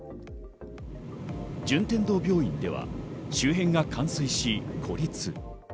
順天堂病院では周辺が冠水し孤立。